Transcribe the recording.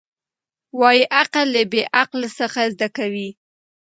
وايي عقل له بې عقله څخه زده کېږي.